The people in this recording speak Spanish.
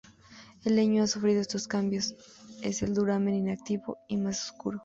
El leño que ha sufrido estos cambios es el duramen, inactivo y más oscuro.